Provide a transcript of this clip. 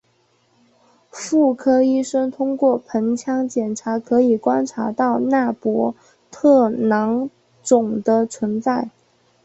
妇科医生通过盆腔检查可以观察到纳博特囊肿的存在。